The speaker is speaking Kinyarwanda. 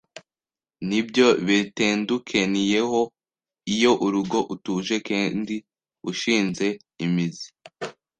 n’ibyo betendukeniyeho. Iyo urugo utuje kendi ushinze imizi